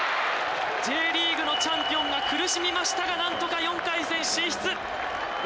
Ｊリーグのチャンピオンが苦しみましたがなんとか４回戦進出！